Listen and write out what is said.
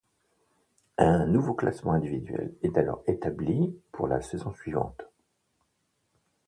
Un nouveau classement individuel est alors établi pour la saison suivante.